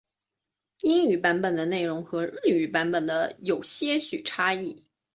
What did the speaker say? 英语版本的内容和日语版本有些许差异。